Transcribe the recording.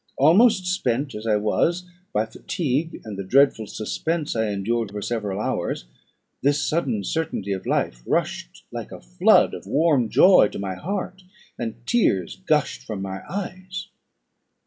Almost spent, as I was, by fatigue, and the dreadful suspense I endured for several hours, this sudden certainty of life rushed like a flood of warm joy to my heart, and tears gushed from my eyes.